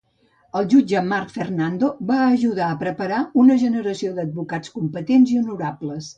El jutge Mark Fernando va ajudar a preparar una generació d'advocats competents i honorables.